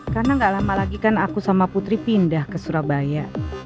karena gak lama lagi kan aku sama putri pindah ke surabaya